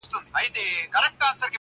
نوك د زنده گۍ مو لكه ستوري چي سركښه سي,